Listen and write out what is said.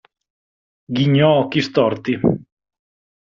Ghignò Occhistorti.